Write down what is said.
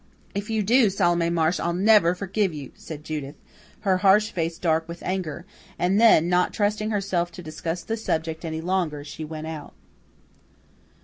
"If you do, Salome Marsh, I'll never forgive you," said Judith, her harsh face dark with anger; and then, not trusting herself to discuss the subject any longer, she went out.